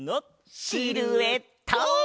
シルエット！